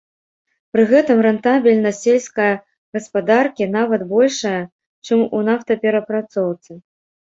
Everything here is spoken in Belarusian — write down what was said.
Пры гэтым рэнтабельнасць сельская гаспадаркі нават большая, чым у нафтаперапрацоўцы.